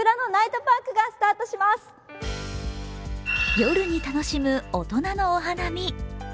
夜に楽しむ大人のお花見。